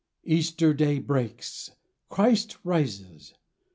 •ASTER DAY breaks! Christ rises